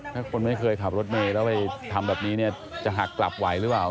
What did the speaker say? ถ้าคนไม่เคยขับรถเมย์แล้วไปทำแบบนี้เนี่ยจะหักกลับไหวหรือเปล่า